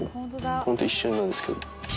本当一瞬なんですけど。